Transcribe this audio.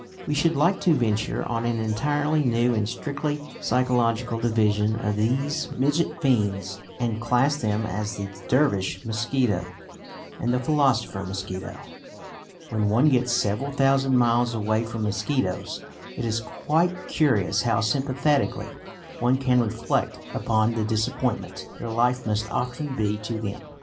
We should like to venture on an entirely new and strictly psychological division of these midget fiends, and class them as "the Dervish mosquito" and "the philosopher mosquito." When one gets several thousand miles away from mosquitoes, it is quite curious how sympathetically one can reflect upon the disappointment their life must often be to them.